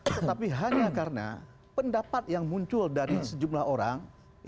tetapi hanya karena pendapat yang muncul dari sejumlah orang